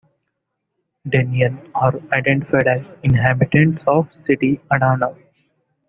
Denyen are identified as inhabitants of the city Adana.